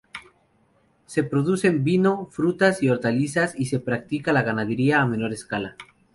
Se producen vino, frutas y hortalizas y se práctica la ganadería a menor escala.